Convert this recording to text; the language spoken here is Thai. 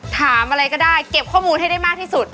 ถามอะไรก็ได้เก็บข้อมูลให้ได้มากที่สุด